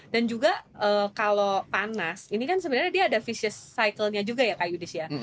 dan juga kalau panas ini kan sebenarnya dia ada vicious cycle nya juga ya kak yudis ya